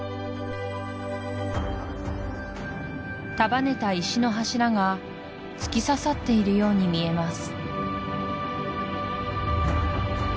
束ねた石の柱が突き刺さっているように見えます